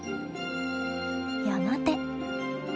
やがて。